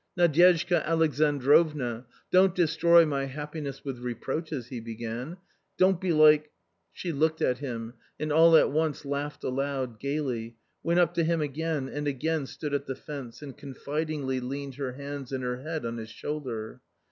" Nadyezhda Alexandrovna, don't destroy my happiness with reproaches," he began ;" don't be like " She looked at him and all at once laughed aloud, gaily, went up to him again, and again stood at the fence and confidingly leaned her hands and her head on his shoulder.